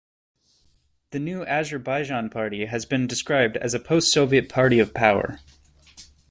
The New Azerbaijan Party has been described as a post-Soviet party of power.